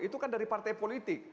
itu kan dari partai politik